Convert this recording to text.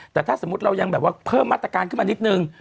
แต่ถ้าสมมุติเรายังแบบว่าเพิ่มมาตรการขึ้นมานิดนึง